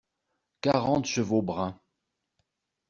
Quarante chevaux bruns.